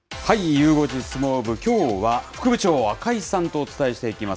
ゆう５時相撲部、きょうは副部長、赤井さんとお伝えしていきます。